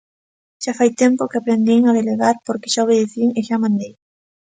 Xa fai tempo que aprendín a delegar porque xa obedecín e xa mandei.